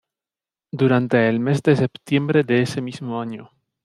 Durante el mes de septiembre de ese mismo año.